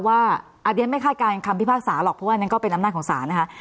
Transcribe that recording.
ว่าอันนี้ไม่คาดการณ์คำพิพากษาหรอกเพราะว่านั้นก็เป็นอำนาจของศาลนะคะ